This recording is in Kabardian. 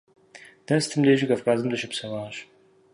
Дэ сытым дежи Кавказым дыщыпсэуащ.